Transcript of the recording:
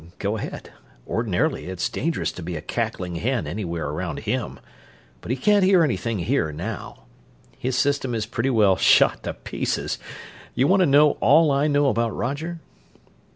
"Go ahead. Ordinarily it's dangerous to be a cackling hen anywhere around him, but he can't hear anything here now. His system is pretty well shot to pieces. You want to know all I know about Roger?"